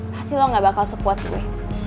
pasti lo gak bakal sekuat kue